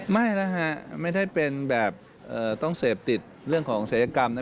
ไม่นะฮะไม่ได้เป็นแบบต้องเสพติดเรื่องของศัยกรรมนะ